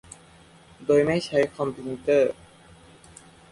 โดยไม่ใช้คอมพิงเตอร์